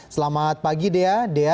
selamat pagi dea